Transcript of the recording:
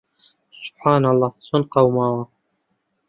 سوبحانەڵڵا چۆن قەوماوە!